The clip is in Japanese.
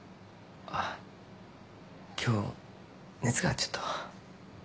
あっ今日熱がちょっと。